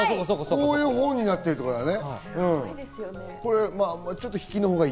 こういう本になってるってことだね。